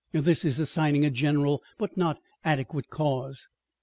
This is assigning a general but not adequate cause.